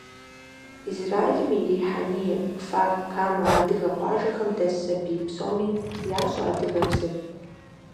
Израилым и Рихьэния, Кфар-Камэ адыгэ къуажэхэм дэс сабий псоми ящӀэ адыгэбзэр.